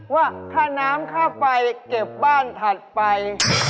ว่าค่าน้ำค่าไฟเก็บบ้านถัดไป